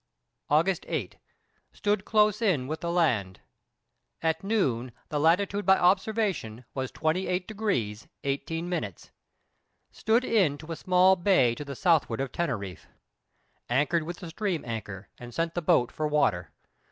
August 8. Stood close in with the land. At noon the latitude by observation was 28 degrees 18 minutes. Stood in to a small bay to the southward of Teneriffe. Anchored with the stream anchor, and sent the boat for water.